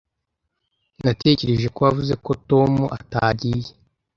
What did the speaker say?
Natekereje ko wavuze ko Tom atagiye.